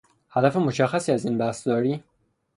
هدف مشخصی از این بحث داری؟